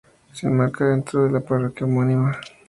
Se enmarca dentro de la parroquia homónima.